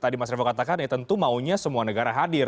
tadi mas revo katakan ya tentu maunya semua negara hadir